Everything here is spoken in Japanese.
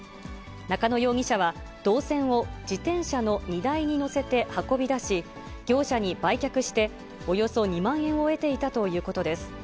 中野容疑者は、銅線を自転車の荷台に載せて運び出し、業者に売却して、およそ２万円を得ていたということです。